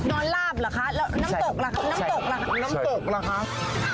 นอนลาบเหรอคะน้ำตกเหรอครับ